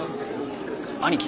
兄貴！